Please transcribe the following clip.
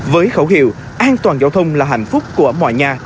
với khẩu hiệu an toàn giao thông là hạnh phúc của mọi nhà